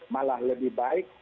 malah lebih baik